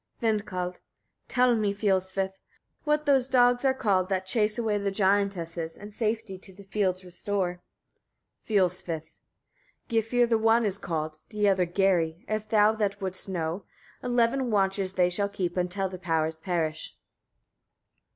Vindkald. 14. Tell me, Fiolsvith! etc., what those dogs are called, that chase away the giantesses, and safety to the fields restore? Fiolsvith. 15. Gifr the one is called, the other Geri, if thou that wouldst know. Eleven watches they will keep, until the powers perish.